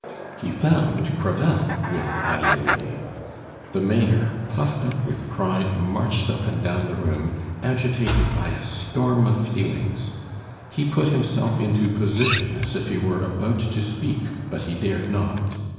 He found Crevel with Valerie. The mayor, puffed up with pride, marched up and down the room, agitated by a storm of feelings. He put himself into position as if he were about to speak, but he dared not.